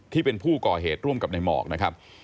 ที่เป็นผู้ก่อเหตุร่วมกับในหมอกนะครับ